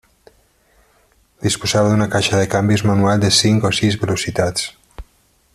Disposava d'una caixa de canvis manual de cinc o sis velocitats.